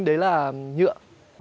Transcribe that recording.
đấy là nhựa